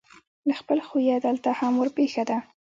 له خپل خویه دلته هم ورپېښه ده.